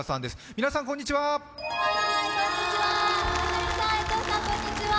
皆さん、こんにちは！